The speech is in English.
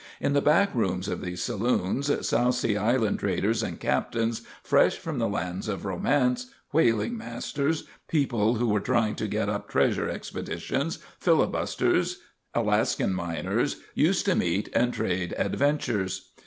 In the back rooms of these saloons South Sea Island traders and captains, fresh from the lands of romance, whaling masters, people who were trying to get up treasure expeditions, filibusters, Alaskan miners, used to meet and trade adventures.